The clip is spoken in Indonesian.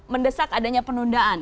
mendesak adanya penundaan